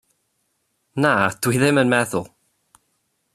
Na, dw i ddim yn meddwl.